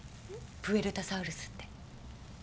プエルタサウルスって。